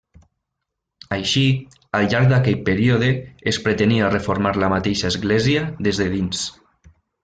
Així, al llarg d'aquell període es pretenia reformar la mateixa església des de dins.